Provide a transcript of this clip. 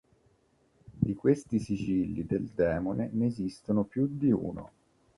Di questi Sigilli del Demone ne esistono più di uno.